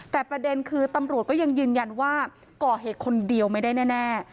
แต่ประเด็นคือตำรวจก็ยังยืนยันว่าก่อเหตุคนเดียวไม่ได้แน่